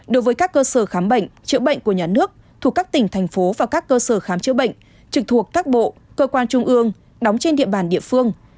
đối với các cơ sở khám bệnh chữa bệnh của nhà nước thuộc các tỉnh thành phố và các cơ sở khám chữa bệnh trực thuộc các bộ cơ quan trung ương đóng trên địa bàn địa phương